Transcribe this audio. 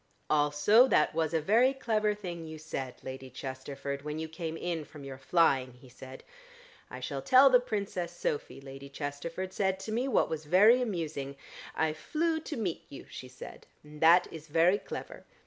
"Also that was a very clever thing you said, Lady Chesterford, when you came in from your flying," he said. "I shall tell the Princess Sophy, Lady Chesterford said to me what was very amusing. 'I flew to meet you,' she said, and that is very clever.